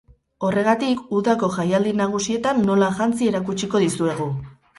Horregatik, udako jaialdi nagusietan nola jantzi erakutsiko dizuegu.